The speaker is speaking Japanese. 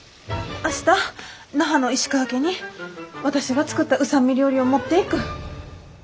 明日那覇の石川家に私が作った御三味料理を持っていく。